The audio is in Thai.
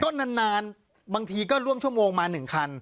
ก็นานบางทีก็ร่วมชั่วโมงมา๑คัน